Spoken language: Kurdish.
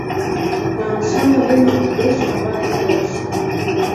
Navnîşana vê malperê, ji hevalê xwe re bişîne